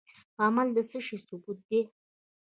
عمل د څه شي ثبوت دی؟